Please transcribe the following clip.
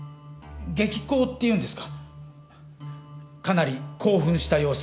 激高っていうんですかかなり興奮した様子で。